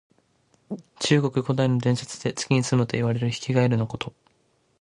中国古代の伝説で、月にすむといわれるヒキガエルのこと。